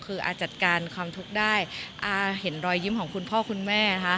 คืออาจัดการความทุกข์ได้อาเห็นรอยยิ้มของคุณพ่อคุณแม่นะคะ